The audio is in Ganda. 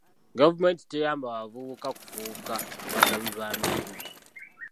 Gavumenti teyamba bavubuka kufuuka bagabi ba mirimu.